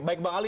baik bang ali